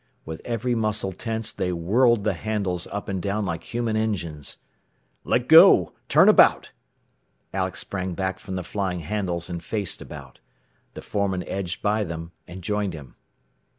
With every muscle tense they whirled the handles up and down like human engines. "Let go! Turn about!" Alex sprang back from the flying handles, and faced about. The foreman edged by them, and joined him.